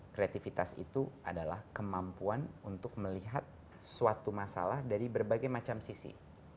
kreativitas itu adalah kemampuan untuk melihat suatu masalah dari berbagai macam sisi